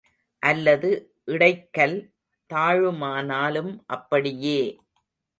அல்லது இடைக்கல் தாழுமானாலும் அப்படியே!